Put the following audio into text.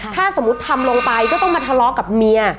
ถ้าสมมุติทำลงไปก็ต้องมาทะเลาะกับเมีย